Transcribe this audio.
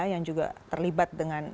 yang juga terlibat dengan